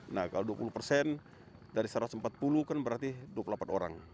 nah kalau dua puluh persen dari satu ratus empat puluh kan berarti dua puluh delapan orang